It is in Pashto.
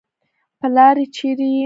پلاره چېرې يې.